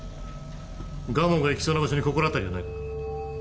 蒲生が行きそうな場所に心当たりはないか？